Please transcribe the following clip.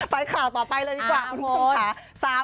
ไปข่าวต่อไปเลยดีกว่าคุณผู้ชมค่ะ